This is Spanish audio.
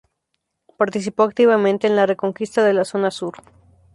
Participó activamente en la reconquista de la zona sur.